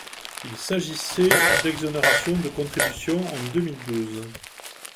Il s’agissait d’exonération de contributions en deux mille douze.